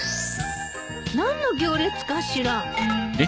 何の行列かしら。